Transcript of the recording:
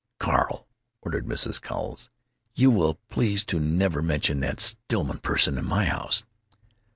'" "Carl," ordered Mrs. Cowles, "you will please to never mention that Stillman person in my house!"